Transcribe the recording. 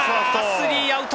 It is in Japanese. スリーアウト！